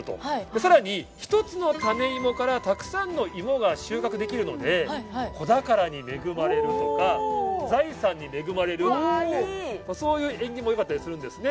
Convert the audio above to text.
更に、１つの種芋からたくさんの芋が収穫できるので子宝に恵まれるとか財産に恵まれるというそういう縁起も良かったりするんですね。